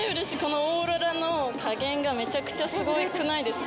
このオーロラのかげんがめちゃくちゃすごくないですか？